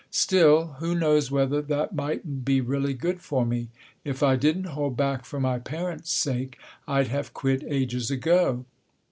Still, who knows whether that mightn't be really good for me? If I didn't hold back for my parents' sake, I'd have quit ages ago.